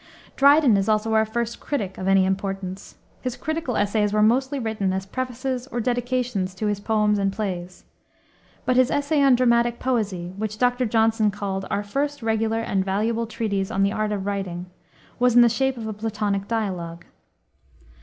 Dryden is also our first critic of any importance. His critical essays were mostly written as prefaces or dedications to his poems and plays. But his Essay on Dramatic Poesie, which Dr. Johnson called our "first regular and valuable treatise on the art of writing," was in the shape of a Platonic dialogue.